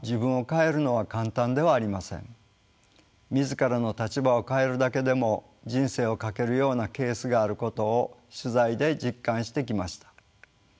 自らの立場を変えるだけでも人生を賭けるようなケースがあることを取材で実感してきました。